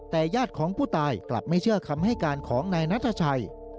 แต่ญาติของผู้ตายกลับไม่เชื่อคำให้การของนายนัทชัย